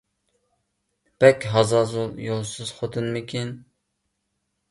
بەك ھازازۇل، يولسىز خوتۇنمىكىن.